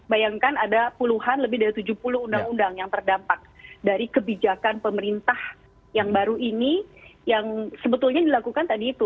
bayangkan ada puluhan lebih dari tujuh puluh undang undang yang terdampak dari kebijakan pemerintah yang baru ini yang sebetulnya dilakukan tadi itu